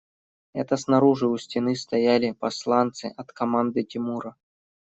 Это снаружи у стены стояли посланцы от команды Тимура.